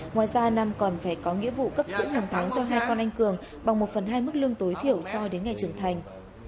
ngoài ra nam còn phải có nghĩa vụ cấp dưỡng hàng tháng cho hai con anh cường bằng một phần hai mức lương tối thiểu cho đến ngày trưởng thành